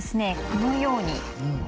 このように。